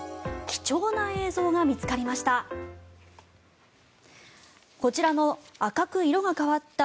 貴重な映像が見つかりました。